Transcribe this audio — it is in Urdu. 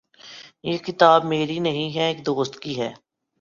یہ کتاب میری نہیں ہے۔ ایک دوست کی ہے